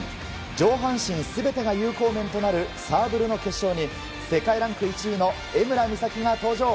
上半身全てが有効面となるサーブルの決勝に世界ランク１位の江村美咲が登場。